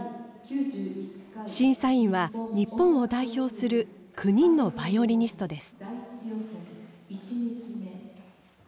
審査員は日本を代表する９人のバイオリニストです。